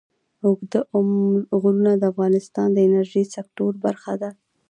اوږده غرونه د افغانستان د انرژۍ سکتور برخه ده.